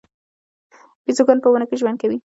بیزوګان په ونو کې ژوند کوي